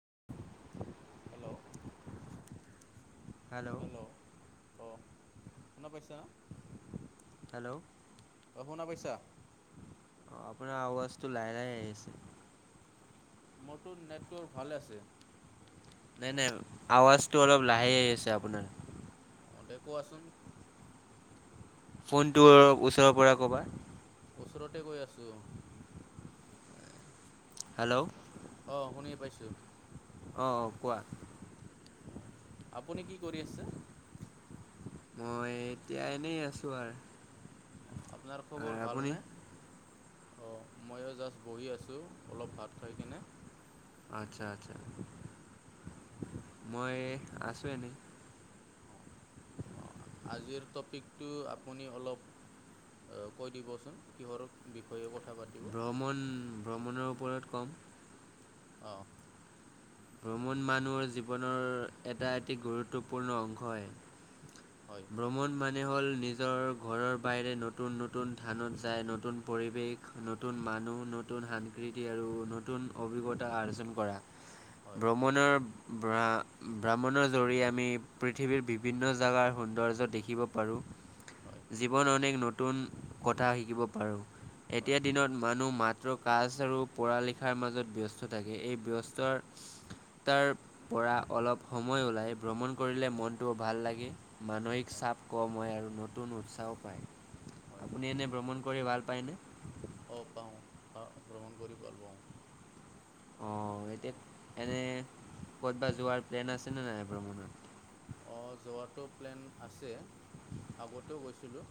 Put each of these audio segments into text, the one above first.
[unintelligible] Hello, hello? অ'। শুনা পইচা? হেল্ল'? অ', শুনা পইচা? অ', আপোনাৰ আৱাজটো লাহে-লাহে আহি আছে। মতোৰ নেটৱৰ্ক ভালে আছে। নাই-নাই, আৱাজটো অলপ লাহে আসি আছে আপোনাৰ। অ', দে কোৱাচোন? ফোনটো ওচৰৰ পৰা কবা। ওচৰতে কৈ আছো। হেল্ল'? অ', শুনি পাইছোঁ। অ'-অ', কোৱা? আপুনি কি কৰি আছে? মই এতিয়া এনেই আছো আৰু। অ', আপোনাৰ আৰু খবৰ ভাল আপুনি নে? অ', ময়ো জাষ্ট বহি আছোঁ, অলপ ভাত খাই কিনে। আচ্ছা-আচ্ছা। মই আছোঁ এনেই। অঁ অঁ আজিৰ টপিকটো আপুনি অলপ কৈ দিবচোন। কিহৰ বিষয়ে কথা পাতিব ভ্ৰমণ, ভ্ৰমণৰ ওপৰত ক'ম। অ'। ভ্ৰমণ মানুহৰ জীৱনৰ এটা এটি গুৰুত্বপূৰ্ণ অংশ হয় হয়। ভ্ৰমণ ম হল নিজৰ ঘৰৰ বাহিৰে নতুন-নতুন থানত যায় নতুন পৰিৱেশ, নতুন ম মানুহ, নতুন সাস্কৃতি, আৰু নতুন অভিজ্ঞতা আৰ্জন কৰা। হয় ভ্ৰমণৰ, ভ্ৰমণৰ জৰিয় আমি পৃথিৱীৰ বিভিন্ন জেগাৰ সুন্দৰ [unintelligible] দেখিব পাৰো। হয় জীৱন অনেক নতুন কথা শিকিব পাৰো। হয় এতিয়া দিনত মানুহ মাত কাজ আৰু পঢ়া লিখাৰ মাজত ব্যস্ত থাকে। এই ব্যস্ত তাৰ পৰা অলপ সময় ওলাই ভ্ৰমণ কৰিলে মনটো ভাল লাগে। মানসিক হয় চাপ কম হয় আৰু নতুন উৎসাহ পায়। হয় আপুনি এনে ভ্ৰমণ কৰি ভাল পায়নে? অ', পাও। আহ', ভ্ৰমণ কৰি পাও। অ', এতিয়া এনে ক'ত বা যোৱাৰ প্লেন আছেনে নাই ভ্ৰমণত? অ', যোৱাটো প্লেন আছে, আগতেও গৈছিলোঁ।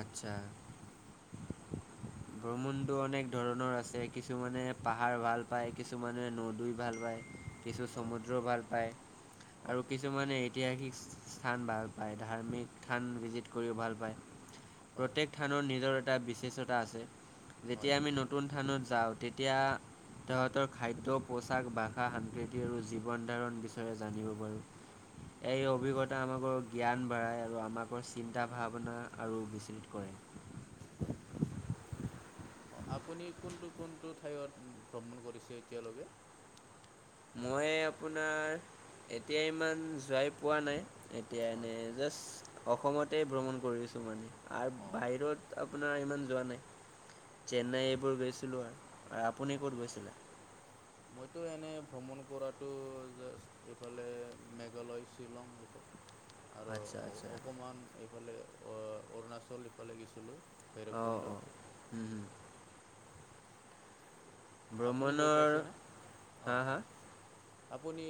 আচ্ছা। ভ্ৰমণতটো অনেক ধৰণৰ আছে, কিছুমানে পাহাৰ ভাল পায় কিছুমানে নদী ভাল প কিছু হয় চমুদ্ৰ ভাল পায়। হয় আৰু কিছুমানে ঐতিহাসিক স্থান ভাল পায়। ধাৰ্মিক স্থান ভিজিট কৰিও ভাল পায়। হয় প্ৰত্যেক থানৰ নিজৰ এটা বিশষ্টতা আছে। যেতিয়া হয় আমি নতুন থানত যাওঁ তেতিয়া তাহাঁতৰ খাদ্য, পোচাক, ভাষা, সস্কৃতি আৰু জীৱন ধাৰণ বিষয়ে জানিব পাৰোঁ। এই অভিজ্ঞতা আমাকৰ জ্ঞান বাঢ়াই আৰু আমাকৰ চিন্তা ভাৱনা আৰু প্ৰট কৰে। অ-আপুনি কোনটো কোনটো ঠাইত ভ্ৰমণ কৰিছে এতিয়ালৈকে? মই আপোনাৰ এতিয়া ইমান যোৱাই পোৱা নাই। এতিয়া হয় এনে জাষ্ট অসমতে ভ্ৰমণ কৰিছো মানে, আৰু অঁ বাহিৰত আকৌ আপোনাৰ ইমান যোৱা নাই। চেন্নাই এইবোৰ গৈছিলোঁ আৰু, আপুনি অঁ ক'ত গৈছিলে? মইতো এনে ভ্ৰমণ কৰাতটো জাষ্ট এইফালে মেঘালয়, শ্বিলং এই আৰু আচ্ছা আচ্ছা অকণমান এইফালে অৰুণাচল ইফালে গৈছিলোঁ। অ, ভৈৰৱকুণ্ড অ। আপুনি ভ্ৰমণ গৈ ৰ পাইছেনে হা, অঁ হা। হয় আপুনি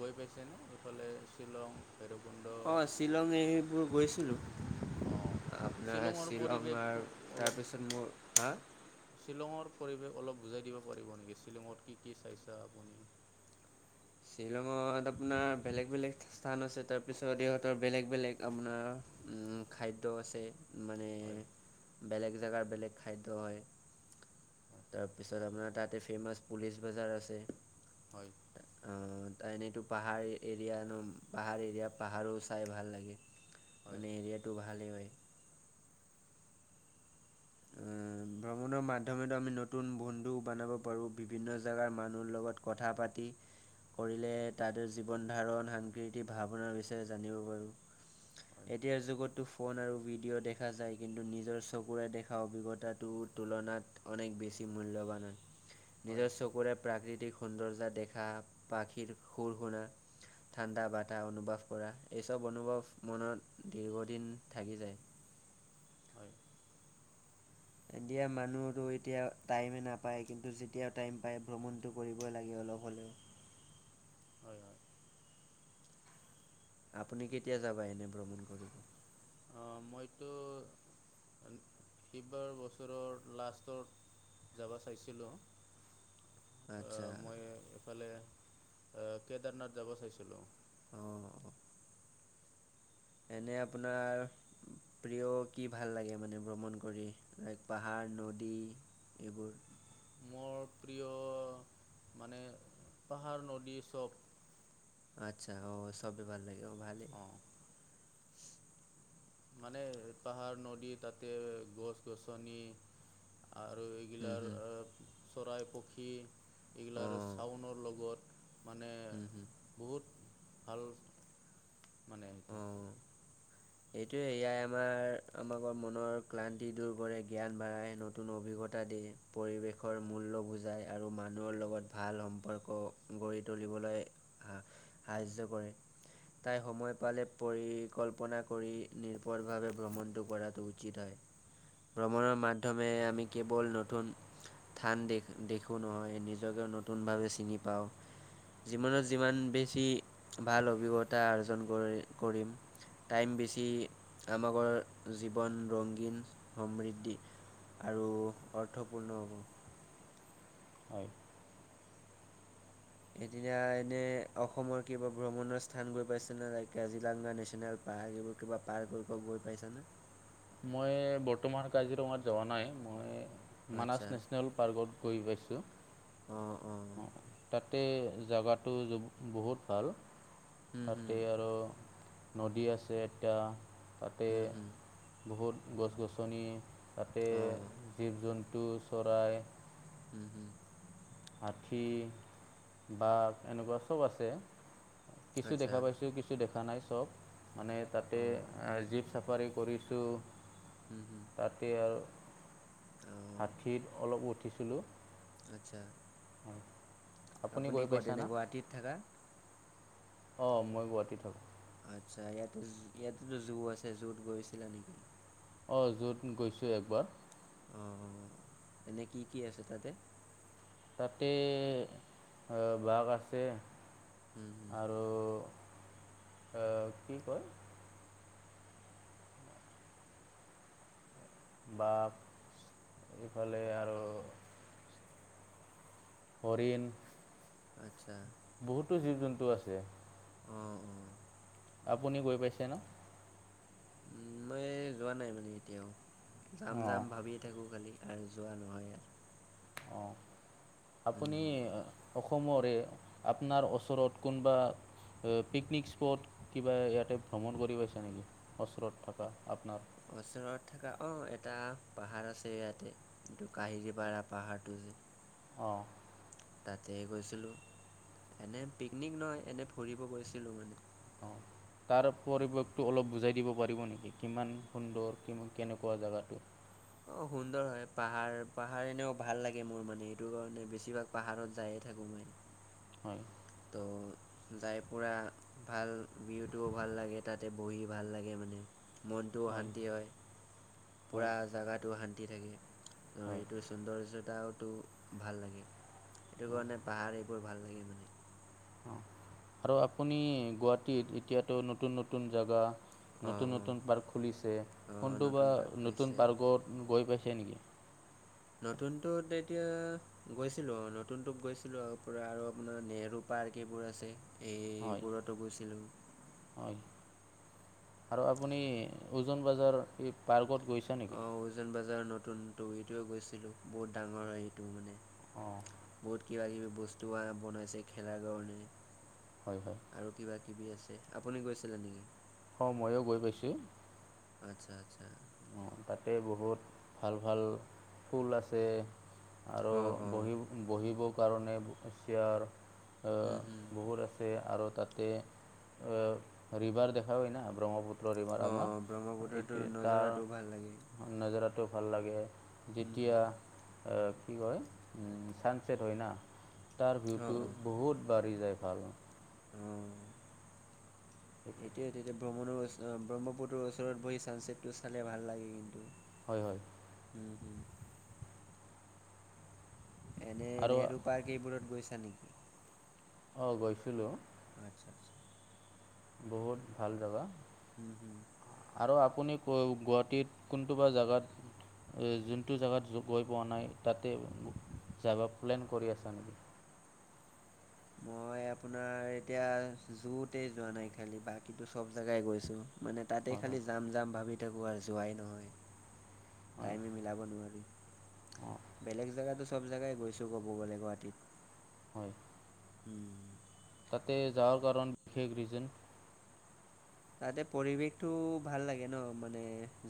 গৈ পাইছেনে, এইফালে শ্বিলং? ভৈৰৱকুণ্ড অ' শ্বিলং এৰিবোৰ গৈছিলো। আহ' শ্বিলঙৰ পৰিৱেশ আৰু অলপ তাৰপিছত মোৰ হা শ্বিলঙৰ পৰিৱেশ অলপ বুজাই দিব পাৰিব নেকি? শ্বিলঙত কি কি চাইছা আপুনি? শ্বিলঙত আপোনাৰ বেলেগ বেলেগ স্থান আছে। তাৰপিছত ইহঁতৰ বেলেগ বেলেগ আপোনাৰ খাদ্য আছে, মানে হয় বেলেগ জেগাৰ বেলেগ খাদ্য হয়। তাৰপিছত আপোনাৰ তাতে ফেমাচ পুলিচ বজাৰ আছে। হয়। ত এনেইটো পাহাৰ এৰিয়ানো পাহাৰ এৰিয়াত পাহাৰো চাই ভাল লাগে [unintelligible] হয় মানে এৰিয়াটো ভালেই হয় উ ভ্ৰমণৰ মাধ্যমে আমি নতুন বন্ধু বনাব পাৰোঁ বিভিন্ন জেগাৰ মানুহৰ লগত কথা পাতি কৰিলে তাতে জীৱন ধাৰণ সাংস্কৃতিক ভাৱনাৰ বিষয়ে জানিব পাৰোঁ এতিয়াৰ যুগতটো ফোন আৰু ভিডিঅ' দেখা যায় কিন্তু নিজৰ চকুৰে দেখা সা অভিজ্ঞতাটোৰ তুলনাত অনেক বেছি মূল্যৱান হয় [unintelligible] হয় নিজৰ চকুৰে প্ৰাকৃতিক সৌন্দৰ্য দেখা পাখিৰ সুৰ শুনা [unintelligible] ঠাণ্ডা বাধা অনুভৱ কৰা এই চব অনুভৱ মনত দীৰ্ঘদিন থাকি যায় [inaudible] হয় [unintelligible] এতিয়া মানুহো এতিয়া টাইমে নাপায় কিন্তু যেতিয়াও টাইম পায় ভ্ৰমণতটো কৰিবই লাগিব অল হ'লেও [unintelligible] হয় হয় আপুনি কেতিয়া যাবা এনে ভ্ৰমণ কৰিব অ মইতো সিবাৰ বছৰৰ লাষ্টত যাব চাইছিলোঁ [unintelligible] আচ্ছা ইফালে কেদাৰনাথ যাব চাইছিলোঁ অ'। এনে আপোনাৰ প্ৰিয় কি ভাল লাগে মানে ভ্ৰমণ কৰি লাইক পাহাৰ নদী [unintelligible] এইবোৰ মোৰ প্ৰিয় মানে পাহাৰ নদী চব আচ্ছা অ চবেই ভাল লাগে অ ভালেই [unintelligible] অঁ মানে পাহাৰ নদী তাতে গছ গছনি আৰু হুম এইগিলাৰ হুম চৰাই পক্ষী এইগিলাৰ অ' চাউনৰ লগত [unintelligible] মানে হুম হুম বহুত ভাল মানে সেইটো। আহ এইটোৱে এয়াই আমাৰ আমাকৰ মনৰ ক্লান্তি দূৰ কৰে জ্ঞান বাঢ়াই নতুন অভিজ্ঞা [unintelligible] দি পৰিৱেশৰ মূল্য বুজায় আৰু মানুহৰ লগত ভাল সম্পৰ্ক গঢ়ি তুলিব স কৰে তাই সময় পালে পৰিকল্পনা [unintelligible] কৰি নিৰ্ভৰভাৱে ভ্ৰমণটো কৰাটো উচিত হয় ভ্ৰমণৰ মাধ্যমে আমি কেৱল নতুন স্থান দেখো নহয় নিজকে নতুনভাৱে চিনি পাওঁ জীৱনত যিমান বেছি ভাল অভিজ্ঞতা অৰ্জন কৰি কৰিম টাইম বেছি আমাকৰ জীৱন ৰগীন সমৃদ্ধি [unintelligible] আৰু অৰ্থপূৰ্ণ হ'ব হয় এদিনা এনে অসমৰ কিবা ভ্ৰমণৰ স্থান গৈ পাইছে ন কাজিলাংগা নেশচনেল পাৰ্ক [unintelligible] পাৰ এইবোৰ কিবা পাৰ্ক কৰিব গৈ পাইছানে মই বৰ্তমান কাজিৰঙাত যোৱা নাই মই মানাছ আচ্ছা নেশ্যনেল পাৰ্কত গৈ পাইছোঁ অঁ অঁ অ তাত [unintelligible] তাতে জেগাটো বহুত ভাল হুম হুম তাতে আৰু নদী আছে এতিয়া তাতে হুম হুম বহুত গছ গছনি [unintelligible] তাতে অঁ জীৱ জন্তু চৰাই উম হম আঠি বাঘ এনেকুৱা চব আছে [unintelligible] কিছু আচ্ছা দেখা পাইছোঁ কিছু দেখা নাই চব মানে তাতে অঁ জীপ চাফাৰী কৰি হুম হুম তাতে আৰু আঠী অলপ উঠিছিলোঁ [unintelligible] আত্ছা [unintelligible] হয় আপুনি ক'ত এনে গুৱাহাটীত থকা। অ মই গুৱাহাটীত থাকো। আচ্ছা ইয়াতে ইয়াতেতো জু আছে জুত গৈছিলা নেকি। অ জুত গৈছো একবাৰ অঁ এনেই কি কি আছে তাতে। তাতে বাঘ আছে হুম হুম আৰু কি কয়? বাঘ এইফালে আৰু হৰিণ। আচ্ছা বহুতো জীৱ জন্তু আছে। অঁ অঁ আপুনি গৈ পাইছে ন। উম মই যোৱা নাই মানে এতিয়াও যাম যাম অঁ ভাবিয়ে থাকো খালি। আৰু যোৱা নহয়। অ হুম আপুনি হুম। সমৰে আপোনাৰ ওচৰত কোনোবা পিকনিক স্পট কিবা ইয়াতে ভ্ৰমণ কৰি পাইছে নেকি ওচৰত থকা আপোনাৰ ওচৰত থকা অ এটা পাহাৰ আছে ইয়াতে এইটো কাহিলিপাৰা পাহাৰ টো। উ অঁ তাতে গৈছিলো এনে পিকনিক নহ এনে ফুৰিব গৈছিলো মানে। [inaudible] অঁ তাৰ পৰিৱেশটো অলপ বুজাই দিব পাৰিব নেকি কিমান সুন্দৰ কি কেনেকুৱা জেগাটো। অ সুন্দৰ হয় পাহাৰ পাহাৰ এনেও ভাল লাগে মোৰ মানে এইটো কাৰণে বেছিভাগ পাহাৰত যায়। থাকোঁ মই। হয় ত' যাই পুৰা ভাল ভিউটোও ভাল লাগে তাতে বহি ভাল লাগে মানে। মনটোও অ শান্তি হয়। পুৰা হয় জাগাটো শান্তি থাকে আৰু হয় এইটো সৌন্দৰ্যতা টো ভাল লাগে সেইটো অঁ কাৰণে পাহাৰ এইবোৰ ভাল লাগে মানে অঁ আৰু আপুনি গুৱাহাটীত এতিয়াতো নতুন নতুন জেগা অঁ নতুন অঁ নতুন পাৰ্ক খুলিছে অঁ কোনটো বা নতুন পাৰ্ক নতুন খুলিছে পাৰ্কত গৈ পাইছে নেকি? নতুনতত এতিয়া গৈছিলো নতুনতোক গৈছিলো আৰু পৰা আৰু আপোনাৰ নেহেৰু পাৰ্ক বোৰ আছে হয় এইবোৰতো গৈছিলোঁ হয় আৰু আপুনি ওজন বজাৰ এই পাৰ্কত গৈছে নেকি অঁ উজন বজাৰৰ নতুন তৰিটোৱে গৈছিলোঁ বহুত ডাঙৰ হয় এইটো মানে। অঁ বহুত কিবা কিবি বস্তু বনাইছে খেলাৰ কাৰণে। হয় হয় আৰু কিবা কিবি আছে আপুনি গৈছিলে নেকি? অঁ ময়ো গৈ পাইছোঁ। আচ্ছা আচ্ছা। অঁ তাতে বহুত ভাল ভাল ফুল আছে। আৰু অঁ অঁ বহিব বহিবৰ কাৰণে চেয়াৰ। হুম হুম বহুত আছে আৰত তাতে ৰিভাৰ দেখা হয় ন ব্ৰহ্মপুত্ৰ। পৰিমাৰ অঁ আমাৰ এইটো ব্ৰহ্মপুত্ৰটোৰ তাৰ নজাৰাটো ভাল লাগে নজৰত টো ভাল লাগে হুম হুম যেতিয়া কি কয় ছানচেট হয় না তাৰ অঁ ভিউটো অঁ বহুত বাঢ়ি যায় ভাল। এইটোয়েটো এতিয়া ভ্ৰমণো। ব্ৰহ্মপুতৰ ওচৰত বহি ছানচছেটটো চালে ভাল লাগে কিন্তু। হয় হয় হম হম। এনে আৰু নেহৰু পাৰ্ক এইবোৰত গৈছা নেকি? অঁ গৈছিলোঁ। আচ্ছা আচ্ছা বহুত ভাল জাগা। হো হো।। আৰু আপুনি ক গুৱাহাটীত কোনটো বা জাগাত। যোনটো জাগাত গৈ পোৱা নাই তাতে। যাব প্লেন কৰি আছা নেকি? মই আপোনাৰ এতিয়া যুতে যোৱা নাই খালি বাকীতো চব জেগাই গৈছোঁ। মানে তাতে হয় হয় খালি যাম যাম ভাবি থাকোঁ আৰু যোৱাই নহয়। হয় টাইম মিলাব নোৱাৰোঁ অঁ বেলেগ জেগাতো। চব জেগাই গৈছোঁ কব গ'লে গুৱাহাটীত। হয়। উম। তাতে যাৱাৰ কাৰণ বিশেষ ৰিজেন। তাতে পৰিৱেশটো ভাল লাগে ন মানে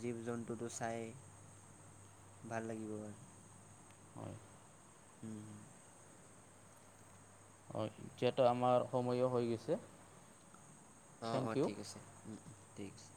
জীৱ জন্তুটো চাই। ভাল লাগিব বাৰু। হয় হোঁ হোঁ। অঁ যিহেতু আমাৰ সময়ো হৈ গৈছে। অ থেংক অ ইউ ঠিক আছে, উম উম ঠিক আছে।